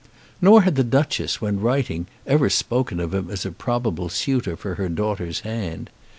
Nor had the Duchess, when writing, ever spoken of him as a probable suitor for her daughter's hand.